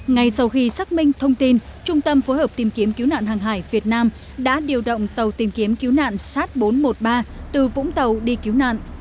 ngay sau khi xác minh thông tin trung tâm phối hợp tìm kiếm cứu nạn hàng hải việt nam đã điều động tàu tìm kiếm cứu nạn sát bốn trăm một mươi ba từ vũng tàu đi cứu nạn